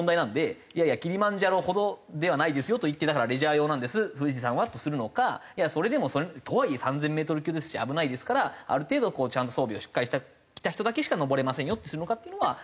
キリマンジャロほどではないですよと言ってだからレジャー用なんです富士山はってするのかとはいえ３０００メートル級ですし危ないですからある程度ちゃんと装備をしっかりしてきた人だけしか登れませんよってするのかっていうのは。